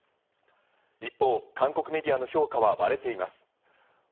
一方、韓国メディアの評価は割れています。